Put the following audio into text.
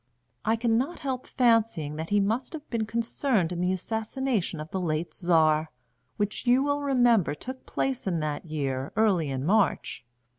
I cannot help fancying that he must have been concerned in the assassination of the late Czar, which you will remember took place in that year early in March.